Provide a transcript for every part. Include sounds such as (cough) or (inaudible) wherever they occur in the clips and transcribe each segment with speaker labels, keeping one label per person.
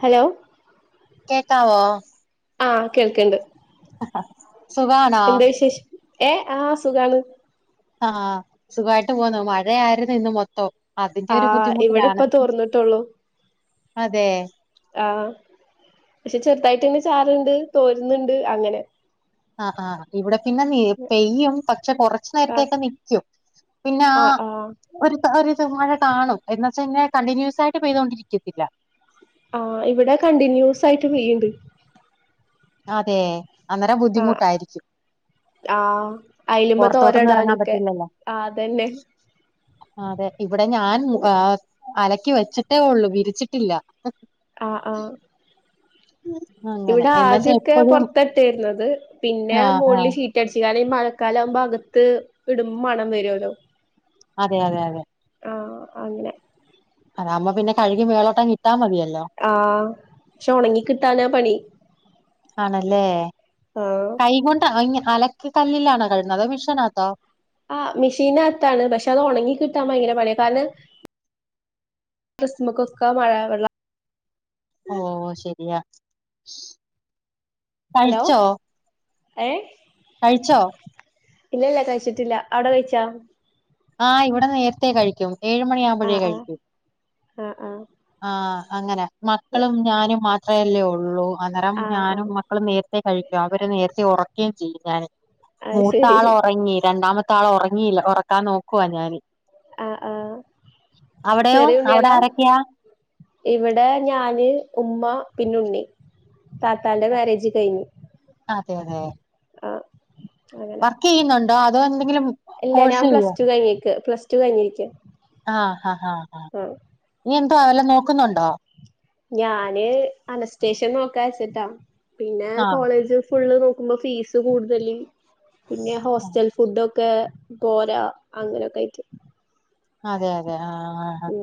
Speaker 1: Hello
Speaker 2: കേക്കാവോ
Speaker 1: ആഹ് കേൾക്കണ്ട്
Speaker 2: സുഖാണോ
Speaker 1: ഏഹ് ആഹ് സുഖാണ്
Speaker 2: ആഹ് സുഖായിട്ട് പോകുന്ന മഴയായിരുന്നു ഇന്ന് മൊത്തം അതിന്റെ ഒരു
Speaker 1: ആഹ് ഇവിടെ
Speaker 2: ബുദ്ധിമുട്ടിലാണ്
Speaker 1: ഇപ്പ തോർന്നിട്ടുള്ളൂ
Speaker 2: അതെ
Speaker 1: ആഹ് പക്ഷെ ചെറുതായിട്ട് തന്നെ ചാറുണ്ട് തോരുന്നുണ്ട് അങ്ങനെ
Speaker 2: ആഹ് ആഹ് ഇവിടെ പിന്നെ നെ പെയ്യും പക്ഷെ കൊറച്ചു
Speaker 1: ആഹ്
Speaker 2: നേരതേക്ക് നിക്കും പിന്നെ ആഹ് ഒരു ഒരു മഴ കാണും എന്നുവച്ചുഴിഞ്ഞ കണ്ടിന്യൂസ് ആയിട്ട് പെയ്തുകൊണ്ടിരിക്കത്തില്ല
Speaker 1: ആഹ് ഇവിടെ കണ്ടിന്യൂസ് ആയിട്ട് പെയുണ്ട്
Speaker 2: അതെ അന്നേരം
Speaker 1: ആഹ്
Speaker 2: ബുദ്ധിമുട്ടായിരിക്കും
Speaker 1: ആഹ് അയലമ്പ
Speaker 2: പൊറത്തോട്ടൊന്നും എറങ്ങാൻ
Speaker 1: തോരടാനുക്കെ
Speaker 2: പറ്റില്ലല്ലോ
Speaker 1: ആഹ് അതന്നെ
Speaker 2: അതെ ഇവിടെ ഞാൻ അലക്കി വെച്ചിട്ടേ ഉള്ളു വിരിച്ചിട്ടില്ല
Speaker 1: ആഹ് ആഹ്
Speaker 2: അങ്ങനെ
Speaker 1: ഇവിടെ
Speaker 2: എന്നുവെച്ചാ
Speaker 1: ആദ്യക്കെ
Speaker 2: എപ്പഴും
Speaker 1: പുറത്തട്ടിരുന്നത് പിന്നെ
Speaker 2: ആഹ് ആഹ്
Speaker 1: മോളില് ഷീറ്റ് റ്റടിച്ച കാര ഈ മഴക്കാലാകുമ്പോ അകത്ത് ഇടുമ്പോ മണം വരുമല്ലോ
Speaker 2: അതെ അതെ അതെ
Speaker 1: ആഹ് അങ്ങനെ
Speaker 2: അതാ അവുമ്പ പിന്നെ കഴുക മേളിലോട്ടാങ്ങിട്ടാ മതിയല്ലോ
Speaker 1: ആഹ് പക്ഷെ ഒണങ്ങിക്കിട്ടാനാ പണി
Speaker 2: ആണല്ലേ
Speaker 1: ഓഹ്
Speaker 2: കൈക കൊണ്ട് അലക്ക് കല്ലിലാണോ കഴുന്നത് മിഷനാത്തോ
Speaker 1: ആ മെഷീന അത്താണ് പക്ഷെ അത് ഉണങ്ങി കിട്ടാൻ ഭയങ്കര പണിയ കാരണം ക്രിസ്മക്കൊക്ക മഴ വെള്ള
Speaker 2: ഓ ശരിയാ
Speaker 1: ഹലോ
Speaker 2: കഴിച്ചോ
Speaker 1: ഏ
Speaker 2: കഴിച്ചോ
Speaker 1: ഇല്ല ഇല്ല കഴിച്ചിട്ടില്ല അവിടെ കഴിച്ചാ
Speaker 2: ആഹ് ഇവിടെ നേരത്തെേ കഴിക്കും ഏഴുമണി ആകുമ്പഴേ
Speaker 1: ആഹ് ആഹ്
Speaker 2: കഴിക്കൂ
Speaker 1: ആഹ് ആഹ്
Speaker 2: ആഹ് അങ്ങനാ മക്കളും ഞാനും മാത്രമേല്ലേ ഉള്ളൂ അന്നേരം
Speaker 1: ആഹ്
Speaker 2: ഞാനും
Speaker 1: ആഹ്
Speaker 2: മക്കളും നേരത്തെ കഴിക്കും അവര് നേരത്തെ ഉറക്കുകയും ചെയ്യും ഞാാന്
Speaker 1: അത് ശരി
Speaker 2: മൂത്താള്ഉറങ്ങി രണ്ടാമത്തെ ആൾ ഉറങ്ങില്ല ഉറക്കാൻ നോക്കവാ ഞാാന്
Speaker 1: ആ ആ ചെറിയ
Speaker 2: അവിടെ
Speaker 1: ഉണ്ണിയളാ
Speaker 2: ആരൊക്കെയാ
Speaker 1: ഇവിടെ ഞാന് ഉമ്മ പിന്നുണ്ണി താത്താന്റെ മാരേജ് കഴിഞ്ഞു
Speaker 2: അതെ അതെ
Speaker 1: ആ അങ്ങനെ
Speaker 2: കീയുന്നുണ്ടോ അതോ എന്തെങ്കിലും
Speaker 1: ഇല്ല
Speaker 2: കോഴ്സ്
Speaker 1: ഞാൻ
Speaker 2: ചെയ്യോ
Speaker 1: പ്ലസ് ടു കഴിഞ്ഞിരിക്ക പ്ലസ് ടു കഴിഞ്ഞിരിക്ക ആഹ്
Speaker 2: നീ എന്തോ വല്ലോം നോക്കുന്നുണ്ടോ
Speaker 1: ഞാനനേ അനസ്ത്തേഷ്യാ നോക്കാച്ചിട്ടാ പിന്നെ
Speaker 2: ആഹ്
Speaker 1: കോളേജ് ഫുള്ള്നോക്കുമ്പം ഫീസു കൂടുതലെ പിന്നെ ഹോസ്റ്റൽ ഫുഡ്ഡോ ഒക്ക പോരാ അങ്ങനെയൊക്കാ യി ട്ട്
Speaker 2: അതെ അതെ ആഹ് ആഹ്
Speaker 1: ഉം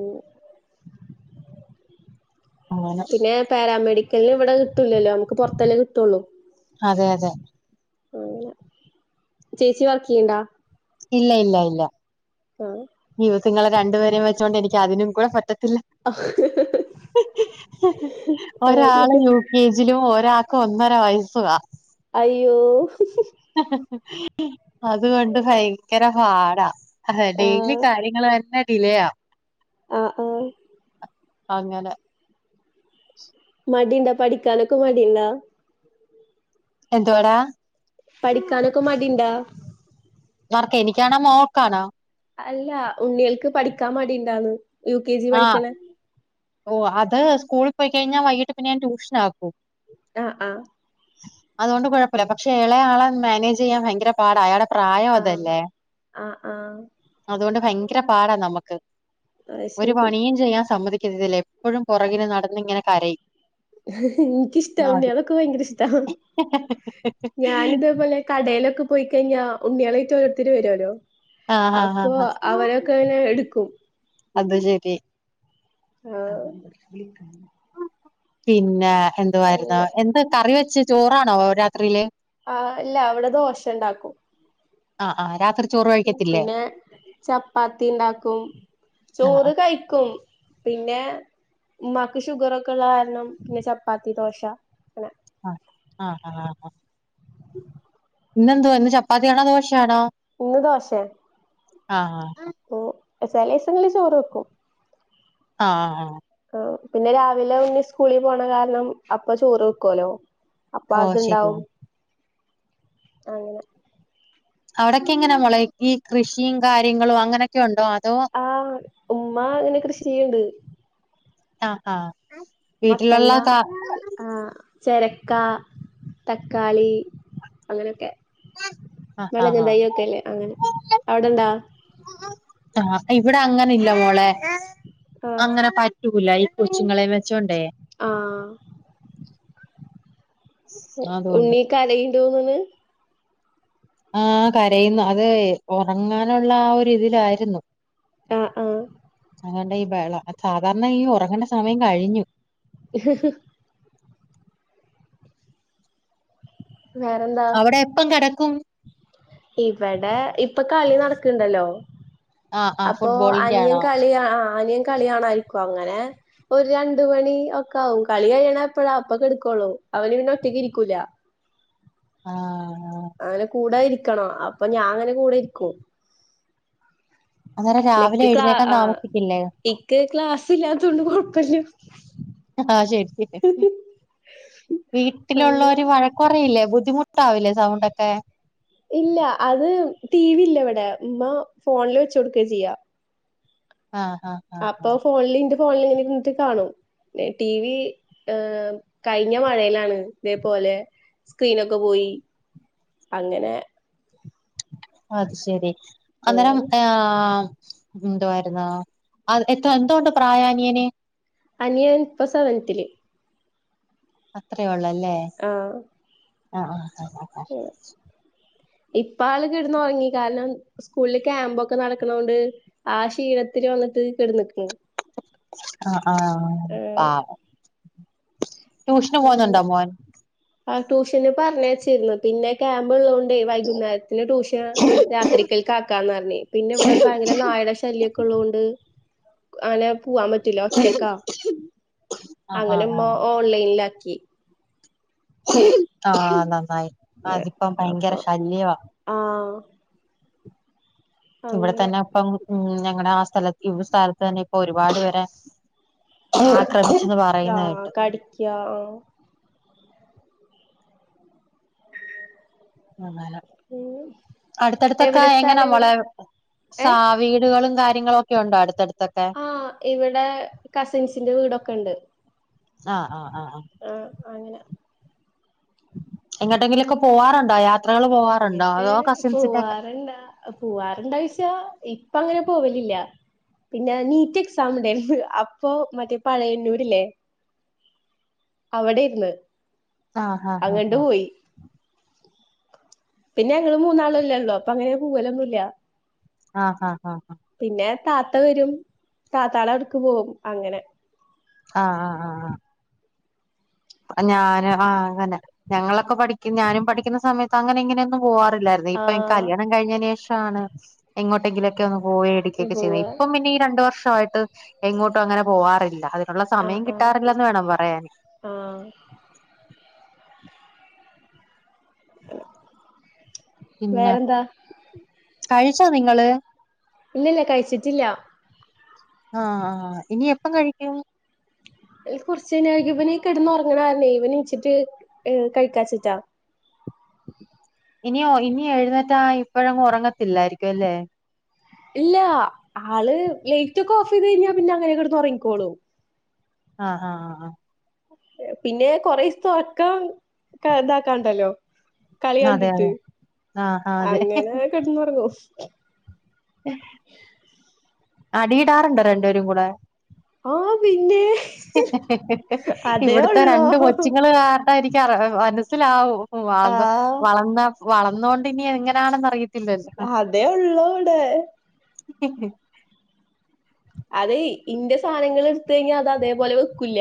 Speaker 2: അങ്ങനെ
Speaker 1: പിന്നെ പാരാമെഡിക്കലിനിവിടെ കിട്ടൂലല്ലോ നമുക്ക് പുറത്തല്ലേ കിട്ടൂള്ളൂ
Speaker 2: അതെ അതെ
Speaker 1: ചേച്ചി വർക്ക്‌യ്യണൊണ്ടോ
Speaker 2: ഇല്ല ഇല്ല ഇല്ല
Speaker 1: ആഹ്
Speaker 2: ഇവുത്തുങ്ങളെ രണ്ടുപേരേം വെച്ചോണ്ട് എനിക്ക് അതിനും കൂടെ പറ്റത്തില്ല ഒരാളെ
Speaker 1: ആഹ്
Speaker 2: നോക് ഏജിലും ഒരാക്ക് ഒന്നര വയസ്സുവാ
Speaker 1: അയ്യോ ഊഹുഹു
Speaker 2: അതുകൊണ്ട് ഭയങ്കര പാടാ ഹാ ഡെയിലി
Speaker 1: ആഹ്
Speaker 2: കാര്യങ്ങളു തന്നെ ഡിലെയാ
Speaker 1: ആഹ് ആഹ്
Speaker 2: അങ്ങനെ
Speaker 1: മടീണ്ടോ പഠിക്കാനൊക്കെ മടീണ്ട
Speaker 2: എന്തുവാടാ
Speaker 1: പഠിക്കാനൊക്കെ മടീണ്ടോ
Speaker 2: ആർക്കാ എനിക്കാണോ മോക്കാണോ
Speaker 1: അല്ല ഉണ്ണികൾക്ക് പഠിക്കാൻ മടിയുണ്ടോണ് യു കെ ജി പഠിക്കണ
Speaker 2: ഓഹ് അതാ സ്കൂളിൽ പോയി കഴിഞ്ഞാ വൈകിട്ട് പിന്നെ ഞാൻ ട്യൂഷനാക്കും
Speaker 1: ആഹ് ആഹ്
Speaker 2: അതുകൊണ്ട് കൊഴപ്പില്ല പക്ഷെ എളെ ആളെ മാനേജ് ചെയ്യാൻ ഭയങ്കര പാടാ അയാടെ പ്രായം
Speaker 1: ആഹ്
Speaker 2: അതല്ലേ
Speaker 1: ആഹ് ആഹ്
Speaker 2: അതുകൊണ്ട് ഭയങ്കര പാടാ നമ്മക്ക്
Speaker 1: അത്
Speaker 2: ഒരു
Speaker 1: ശരി
Speaker 2: പണിയും ചെയ്യാൻ സമ്മതിക്കത്തില്ല എപ്പഴും പൊറകിനു നടന്നിങ്ങനെ കരയും
Speaker 1: എനിയ്ക്കിഷ്ട്ടാ
Speaker 2: ആ അതെ
Speaker 1: ഉണ്ണിയാളെക്കെ ഭയങ്കര ഇഷ്ട ഞാനിതേപോലെ കടേലൊക്കെ പോയി കഴിഞ്ഞാ ഉണ്ണിയേളറ്റ് ഒരോരുത്തര് വരോലോ
Speaker 2: ആഹ് ആഹ്
Speaker 1: അപ്പോ
Speaker 2: ആഹ്
Speaker 1: അവരൊക്കെനെ എടുക്കും
Speaker 2: അതു ശരി
Speaker 1: ആഹ് (unintelligible)
Speaker 2: പിന്നെ എന്തുവാരുന്നു
Speaker 1: അങ്ങനെ
Speaker 2: എന്താ കറി വെച്ച ചോറാണോ രാത്രിയില്
Speaker 1: ആഹ് ഇല്ല അവിടെ ദോശ ഇണ്ടാക്കും
Speaker 2: ആഹ് ആഹ് രാത്രി ചോറ് കഴിക്കത്തില്ലേ
Speaker 1: പിന്നെ ചപ്പാത്തി ഇണ്ടാക്കും
Speaker 2: ആഹ്
Speaker 1: ചോറു കയിക്കും പിന്നെ ഉമ്മാക്ക് ഷുഗർ ഒക്കെ ഉള്ള കാരണം പിന്നെ ചപ്പാത്തി ദോശ അങ്ങനെ
Speaker 2: ആഹ ആഹ ഇന്നെന്തുവാ ഇന്ന് ചപ്പാത്തിയാണോ ദോശയാണോ
Speaker 1: ഇന്ന് ദോശേ
Speaker 2: ആഹ് ആഹ്
Speaker 1: ഓഹ് സലസങ്ങളിൽ ചോറു വെക്കും
Speaker 2: ആഹ് ആഹ്
Speaker 1: ആഹ് പിന്നെ രാവിലെ ഉണ്ണി സ്കൂളി പോണ കാരണം അപ്പ ചോറ് വെക്കുവല്ലോ അപ്പ
Speaker 2: ഓ ശരിയാ
Speaker 1: അതുണ്ടാവും അങ്ങനെ
Speaker 2: അവിടൊക്കെ എങ്ങനാ മോളെ ഈ കൃഷിയും കാര്യങ്ങളും അങ്ങനൊക്കെ ഒണ്ടോ അതോ
Speaker 1: ആഹ് ഉമ്മ ഇങ്ങനെ കൃഷി ചെയ്യണ്ട്
Speaker 2: ആഹ ആഹ (inaudible)
Speaker 1: മത്തങ്ങ ആഹ ചെരക്ക തക്കാളി അങ്ങനെയൊക്കെ.
Speaker 2: ആഹ്
Speaker 1: മളക്
Speaker 2: ആഹ്
Speaker 1: ദൈ ഒക്കെല്ലേ അങ്ങനെ അവടെണ്ടാ?
Speaker 2: ആ ഇവിടെ അങ്ങനെല്ല മോളെ
Speaker 1: ആഹ്
Speaker 2: അങ്ങനെ പ റ്റൂല ഈ കൊച്ചുങ്ങളെ വെച്ചോണ്ടേ
Speaker 1: ആഹ
Speaker 2: അതുകൊണ്ട്
Speaker 1: ഉണ്ണി കരയിണ്ടോന്ന്ണ്.
Speaker 2: ആഹ കരയുന്നു അത് ഇ ഉറങ്ങാനുള്ള ആ ഒരിതിലായിരുന്നു.
Speaker 1: ആഹ ആഹ
Speaker 2: അതുകൊണ്ടാ ഈ ബഹളം സാധാരണ ഈ ഉറങ്ങേണ്ട സമയം കഴിഞ്ഞു.
Speaker 1: (inaudible) വേറെന്താ
Speaker 2: അവടെ എപ്പം കടക്കും.
Speaker 1: ഇവടെ ഇപ്പംകളി നടക്ക്ണ്ടല്ലോ?
Speaker 2: ആഹ് ആഹ്
Speaker 1: അപ്പൊ
Speaker 2: ഫുട്ബോളിന്റെ
Speaker 1: അനിയൻ
Speaker 2: ആണോ
Speaker 1: കളിയാ ആ അനികളിയാണാരിക്കും അങ്ങനെ ഒരു രണ്ട് മണി ഒക്കാ ആവും കളി കഴിയണ എപ്പഴാ അപ്പൊക്കെടുക്കോളൂ അവന് പിന്ന ഒറ്റക്ക് ഇരിക്കൂല.
Speaker 2: ആഹ
Speaker 1: അങ്ങനെ കൂടെ ഇരിക്കണോ അപ്പൊ ഞാന് കൂടെ ഇരിക്കും.
Speaker 2: അന്നേരം രാവിലെ
Speaker 1: നക്ക് ക്ലാ
Speaker 2: എഴുന്നേക്കാൻ
Speaker 1: ആ
Speaker 2: താമസിക്കില്ലേ
Speaker 1: എക്ക് ക്ലാസ് ഇല്ലാത്തോണ്ട് കൊഴപ്പല്ല.
Speaker 2: ആഹ ശരി
Speaker 1: അങ്ങനെ
Speaker 2: വീട്ടിലുള്ളോര് വഴ കുറെ ഇല്ലേ ബുദ്ധിമുട്ടാവില്ലേ സൗണ്ട് ഒക്കെ.
Speaker 1: ഇല്ല അത് ടി വി ഇല്ല ഇവിടെ ഇമ്മ ഫോണില് വെചെട്ക്ക ചെയ്യാ.
Speaker 2: ആഹ ആഹ
Speaker 1: അപ്പൊ ഫോണിൽ ഇന്റെ ഫോണിൽ ഇ ഇൻകിട്ട് കാണും. ദേ ടി വി ഏ കഴിഞ്ഞ മഴയിലാണ് ഇതേപോലെ സ്ക്രീനൊക്കെ പോയി അങ്ങനെ.
Speaker 2: അത് ശരി അന്നേരം
Speaker 1: ഉം
Speaker 2: ആഹ.. എന്തുവായിരുന്നു അത് എത്ര എന്തൊണ്ട് പ്രായ അനിയന്
Speaker 1: അനിയൻ ഇപ സെവൻത്തില്.
Speaker 2: അത്രേ ഉള്ളല്ലേ?
Speaker 1: ആഹ
Speaker 2: ആഹ ആഹ് ആഹ്
Speaker 1: ഇപ്പ ആള് കിടന്ന് ഉറങ്ങി കാരണം സ്കൂള്‌ല് ക്യാമ്പൊക്കെ നടക്ണോണ്ട് ആ ക്ഷീണത്തില് വന്നിട്ട് കെടന്ന്ക്ക്ണ്.
Speaker 2: ആ ആ പാവം ട്യൂഷന്
Speaker 1: അങ്ങനെ
Speaker 2: പോന്നുണ്ടോ മോൻ
Speaker 1: ആ ട്യൂഷന് പറഞ്ഞയച്ചിരുന്നു പിന്നെ ക്യാമ്പ് ഉള്ളോണ്ടേ വൈകുന്നേരത്തിന് ട്യൂഷ രാത്രിക്കൽക്കാക്കാന്ന് പറഞ്ഞിന്ന് പിന്നെ ഇവിടെ ഭയങ്കര നായടെ ശല്യൊക്കെ ഉള്ളോണ്ട് അങ്ങനെ പോവാൻ പറ്റൂല ഒറ്റക്ക
Speaker 2: ആഹ്
Speaker 1: അങ്ങനെ
Speaker 2: ആഹ്
Speaker 1: ഉമ്മ
Speaker 2: ആഹ്
Speaker 1: ഓൺലൈനിലാക്കി
Speaker 2: ആഹ നന്നായി അതിപ്പോ ഭയങ്കര ശല്യവാ
Speaker 1: ആഹ
Speaker 2: ഇവിടെ തന്നെ അപ്പം ഉം ഞങ്ങടെ ആ സ്ഥല ഇ സ്ഥലത്ത് തന്നെ ഇപ്പൊ ഒരുപാട് പേരെ അക്രമിച്ചന്ന് പറയുന്നതായിട്ട്
Speaker 1: ക്യാ വോ
Speaker 2: (unintelligible)
Speaker 1: ഉം
Speaker 2: അടുത്തടുത്തൊക്കെ
Speaker 1: എവിടെ
Speaker 2: എങ്ങനൊ
Speaker 1: സ്ഥലം എവിടെ
Speaker 2: മോളെ സാ
Speaker 1: ഏഹ്
Speaker 2: വീടുകളും കാര്യങ്ങളും ഒക്കെ ഉണ്ടോ അടുത്തടുത്തൊക്കെ
Speaker 1: ആ ഇവിടെ കസിൻസിന്റെ വീടൊക്കെ ഇണ്ട്
Speaker 2: ആഹ് ആ ആ ആഹ്
Speaker 1: ആ അങ്ങനെ
Speaker 2: എങ്ങട്ടെങ്കിലും ഒക്കെ പോവാറ്ണ്ടോ യാത്രകൾ പോവാറ്ണ്ടോ അതോ കസിൻസിന്റെക്കെ
Speaker 1: പോവാറുണ്ടായ്ച്ച ഇപ്പ അങ്ങനെ പോവലില്ല പിന്നെ നീറ്റ് എക്സാം ഉണ്ടായിരുന്നു അപ്പൊ മറ്റേ പഴയന്നൂര്ല്ലേ അവിടെ യെര്ന്ന്
Speaker 2: ആഹ ആഹ ആ ആ
Speaker 1: പിന്നെ ഞങ്ങള് മൂന്നാളല്ലേ ഉള്ളോ അപ്പൊ അങ്ങനെ പൂവലൊന്നുല്ല
Speaker 2: ആഹ ഹഹ
Speaker 1: പിന്നെ താത്ത വരും താത്താടെ അവ്ടക്ക് പോകും അങ്ങനെ
Speaker 2: ആ ആ ആ ആഹ ഞാന് ആ അങ്ങനെ ഞങ്ങളൊക്കെ പഠിക്ക ഞാനും പഠിക്കുന്ന സമയത്ത് അങ്ങനെ ഇങ്ങനൊന്നും പോവാറില്ലായിരുന്നു ഇപ്പൊ
Speaker 1: ആഹ്
Speaker 2: കല്യാണം കഴിഞ്ഞയ്ന് ശേഷാണ് എങ്ങോട്ടെങ്കിലും ഒക്കെ ഒന്ന് പോയി ഇടിക്കൊക്കെ ചെയ്യുന്നത്
Speaker 1: പോവാ
Speaker 2: ഇപ്പ പിന്നെ ഈ രണ്ടു വർഷമായിട്ട് എങ്ങോട്ടും അങ്ങനെ പോവാറില്ല അതിനുള്ള സമയം കിട്ടാറില്ലന്ന് വേണം പറയാന്
Speaker 1: ആ (unintelligible)
Speaker 2: പിന്നെ
Speaker 1: വേറെന്താ
Speaker 2: കഴിച്ചോ നിങ്ങള്
Speaker 1: ഇല്ല ല്ല ല്ല കഴിച്ചിട്ടില്ല
Speaker 2: ആഹ ആഹ ഇനി എപ്പം കഴിക്കും
Speaker 1: കുറച്ചുകഴിഞ്ഞാൽ കൈക്കും ഇവനി കിടന്ന് ഉറങ്ങുന്ന കാരണേ ഇവാൻ നിച്ചിട്ട് ഹ് കഴിക്കാച്ചിട്ടാ
Speaker 2: ഇനി ഒ ഇനി എഴുന്നേറ്റാ ഇപ്പോഴെങ്ങും ഉറങ്ങത്തില്ലായിരിക്കും അല്ലേ
Speaker 1: ഇല്ല ആള് ലെയ്റ്റ് ഒക്കെ ഓഫ് ചെയ്ത് കഴിഞ്ഞാൽ പിന്നെ അങ്ങനെ കിടന്ന് ഉറങ്ങിക്കോളും
Speaker 2: ആഹ് ആഹ് ആ ആ
Speaker 1: പിന്നെ കൊറേയെസ്തേ ഉറക്കം ഇതാക്കാണ്ടല്ലോ കളി
Speaker 2: ആഹ് അതെ
Speaker 1: കണ്ടിട്ട്
Speaker 2: അതെ ആഹ് ആഹ് അതെ
Speaker 1: അങ്ങനെ കിടന്ന് ഉറങ്ങും
Speaker 2: (unintelligible) അടിയിടാറുണ്ടോ രണ്ടേരും കൂടെ
Speaker 1: ആ പിന്നെ
Speaker 2: ഹി ഹി ഹി
Speaker 1: അതേ
Speaker 2: ഇവിടത്തെ
Speaker 1: ഉള്ളൂ
Speaker 2: രണ്ട് കൊച്ചുങ്ങള് കാ (unintelligible) മനസ്സിലാവും
Speaker 1: ആഹ്
Speaker 2: വളർന്ന വളർന്നൊണ്ട് ഇനി എങ്ങനെയാണെന്ന് അറി
Speaker 1: അതേ ഉള്ളൂ ഇവ്ടെ
Speaker 2: ഹ് ഹ്
Speaker 1: അതെ ഇന്റെ സാധനങ്ങൾ എടുത്ത കഴിഞ്ഞാ അത് അതേപോലെ വെക്കൂല്ല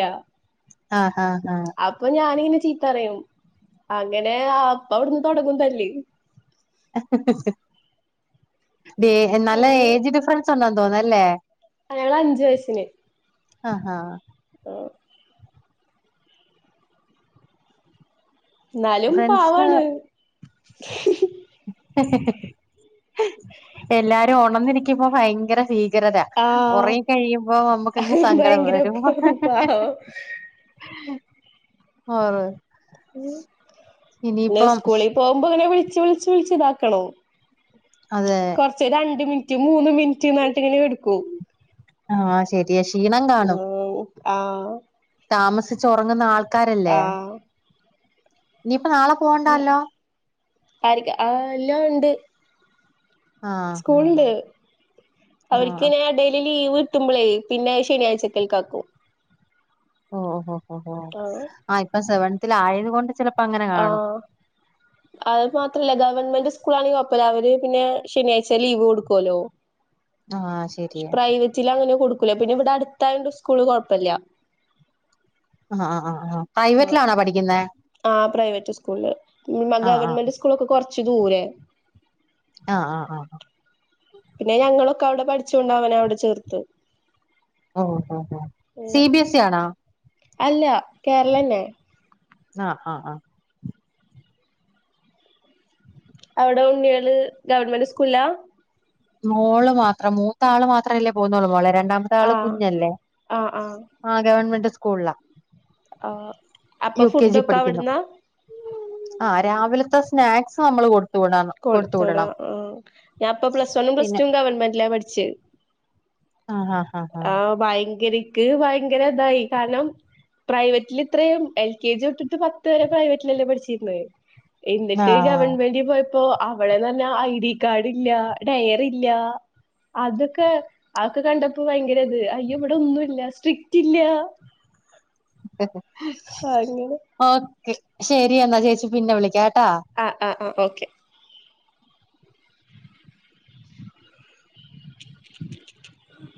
Speaker 2: ആ ആഹ ആഹ
Speaker 1: അപ്പൊ ഞാനിങ്ങനെ ചീത്തപറയും അങ്ങനെ അപ്പ അവിടുന്ന് തൊടങ്ങും തല്ല്
Speaker 2: ഹ ഹ ഹ ദേ നല്ല ഏജ് ഡിഫറൻസ് ഉണ്ടന്ന് തോന്നുന്നു അല്ലെ
Speaker 1: ആ ഞങ്ങള് അഞ്ചു വയസ്സിന്
Speaker 2: ആ ഹഹ
Speaker 1: ഉം ഇന്നാലും
Speaker 2: ഫ്രണ്ട്സ്
Speaker 1: പാവാണ്..
Speaker 2: എല്ലാരും ഉണന്നിരിക്കുമ്പോ ഭയങ്കര ചീ.. ഗ്രത
Speaker 1: ആഹ്
Speaker 2: ഉറങ്ങി കഴിയുമ്പോ നമ്മുക്കങ് സങ്കടം
Speaker 1: ഭയങ്കര
Speaker 2: വരും..
Speaker 1: പാവം
Speaker 2: ഓ ഇനിപ്പം..
Speaker 1: നമുക്ക് ഓനെ വിളച്ച് വിളിച്ച് വിളിച്ച്താക്കണ്ണം..
Speaker 2: അതെ..
Speaker 1: കുറച്ച് രണ്ട് മിനിറ്റ് മൂന്ന് മിനിറ്റ് നെട്ട് ഇങ്ങനെ കിടുക്കും..
Speaker 2: ആഹ ശെരിയ ക്ഷീണം കാണും..
Speaker 1: ആഹ..
Speaker 2: താമസിച്ച് ഉറങ്ങുന്ന ആൾക്കാരല്ലേ
Speaker 1: ആഹ്
Speaker 2: ഇനിയിപ്പ നാളെ.. പോവണ്ടാല്ലോ
Speaker 1: ആര്ക് ആ എല്ലാം ഉണ്ട്..
Speaker 2: ആഹ് ആഹ്
Speaker 1: സ്കൂൾണ്ട്
Speaker 2: ആഹ്
Speaker 1: അവർക്ക്നെ ഡ.. ലീവ് കിട്ടുംമ്പളേ പിന്നെ അത് ശനി ആഴ്ചക്കൽക്കാക്കും..
Speaker 2: ഓ ഓ ഓ
Speaker 1: ആഹ്
Speaker 2: ഹ ഇപ്പൊ സെവനത്തിൽ ആയത് കൊണ്ട് ചിലപ്പോ അങ്ങനെ.. കാണും
Speaker 1: ആഹ് അഹ് മാത്രല്ല ഗവൺമെന്റ് സ്കൂൾ ആണെങ്കിൽ (unintelligible) പിന്നെ ശനിയാഴ്ച ലീവ് കൊടുക്കുവല്ലോ
Speaker 2: ആഹ് ശരിയാ
Speaker 1: പ്രൈവറ്റില് അങ്ങനെ കൊടുക്കൂല പിന്നെ ഇവിടെ അടുത്തായോണ്ട് സ്കൂള് കോഴപ്പല്ല
Speaker 2: ആഹ് ആഹ് ആഹ് പ്രൈവറ്റിലാണോ പഠിക്കുന്നെ
Speaker 1: ആഹ് പ്രൈവറ്റ് സ്കൂളില്
Speaker 2: ആഹ്
Speaker 1: ഗവൺമെന്റ് സ്കൂളൊക്കെ കൊറച്ച് ദൂരെയാ
Speaker 2: ആഹ് ആഹ് ആഹ്
Speaker 1: പിന്നെ ഞങ്ങളൊക്കെ അവിടെ പഠിച്ചോണ്ട് അവനെ അവിടെ ചേർത്ത്
Speaker 2: ഓഹ് ഓഹ് ഹോ സി ബിഎസ് ഇ ആണോ
Speaker 1: അല്ല കേരളന്നെ
Speaker 2: ആഹ് ആഹ് ആഹ്
Speaker 1: അവിടെ ഉണ്ണികള് ഗവൺമെന്റ് സ്കൂളിലാ
Speaker 2: മോള് മാത്രം മൂത്താള് മാത്രംല്ലേ പോന്നോള് മോളെ രണ്ടാമത്തെ ആള്
Speaker 1: ആഹ്
Speaker 2: കുഞ്ഞല്ലേ ആഹ് ഗവൺമെന്റ് സ്കൂളിലാ
Speaker 1: ആഹ് അപ്പൊ ഫുഡൊക്കെ അവിടുന്നാ
Speaker 2: ആഹ് രാവിലത്തെ സ്നാക്സ് നമ്മള് കൊടു
Speaker 1: കൊടുത്തുവിടും ആഹ് ഞാൻ ഇപ്പ പ്ലസ് വണ്ണും പ്ലസ്
Speaker 2: പിന്നെ
Speaker 1: ടു ഗവണ്മെന്റില പഠിച്ചേ
Speaker 2: ആഹ് ആഹ്
Speaker 1: ആഹ് ഭയങ്കരിക്ക് ഭയങ്കര ഇതായി കാരണം പ്രൈവറ്റിൽ ഇത്രയും എൽ കെ ജി തൊട്ടിട്ട് പത്ത് വരെ പ്രൈവറ്റിലല്ലേ പഠിച്ചിരുന്നത്
Speaker 2: ആഹ്
Speaker 1: എന്നിട്ട്
Speaker 2: ആഹ്
Speaker 1: ഗവൺമെന്റി പോയപ്പോ അവിടെന്ന് പറഞ്ഞാ ഐഡി കാർഡ് ഇല്ല ഡയറി ഇല്ല അതൊക്കെ അതൊക്കെ കണ്ടപ്പോ ഭയങ്കര ഇത് അയ്യെ ഇവിടെ ഒന്നുമില്ല സ്ട്രിക്റ്റ് ഇല്ല
Speaker 2: (unintelligible)
Speaker 1: അങ്ങിനെ
Speaker 2: ഓക്കെ ശെരി എന്നാ ചേച്ചി പിന്നെ വിളിക്കാം കേട്ടാ
Speaker 1: ആഹ് ആഹ് ആഹ് ഓക്കെ (inaudible)